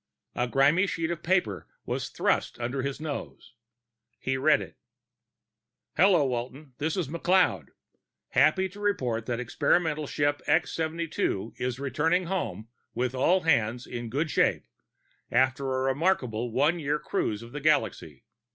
A grimy sheet of paper was thrust under his nose. He read it: _Hello Walton, this is McLeod. Happy to report that experimental ship X 72 is returning home with all hands in good shape, after a remarkable one year cruise of the galaxy.